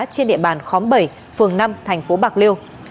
trên địa bàn khóm bảy phường năm thành phố bạc liêu